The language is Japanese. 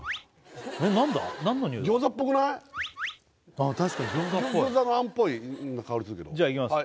ああ確かに餃子っぽい餃子のあんっぽい香りするけどじゃあいきます